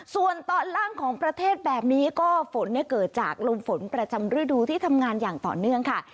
ส่วนตอนล่างของประเทศแบบนี้ก็ฝนเกิดจากลมฝนประจำฤดูที่ทำงานอย่างต่อเนื่องค่ะ